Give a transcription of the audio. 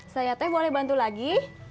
saya teh boleh bantu lagi